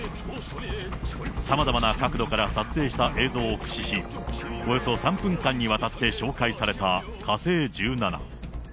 さまざまな角度から撮影した映像を駆使し、およそ３分間にわたって紹介された火星１７。